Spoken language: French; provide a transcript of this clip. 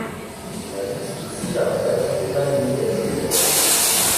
La liste ci-après n'est pas limitative.